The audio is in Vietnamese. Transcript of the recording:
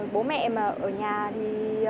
bố mẹ mà ở nhà thì